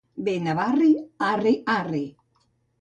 Benavarri, arri, arri.